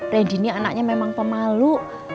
redi ini anaknya memang pemalu